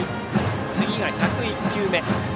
次が１０１球目。